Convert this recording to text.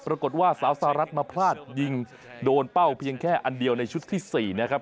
ปรากฏว่าสาวสหรัฐมาพลาดยิงโดนเป้าเพียงแค่อันเดียวในชุดที่๔นะครับ